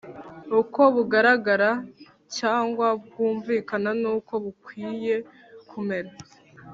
uko bugaragara cyangwa bwumvikana n’uko bukwiye kumera.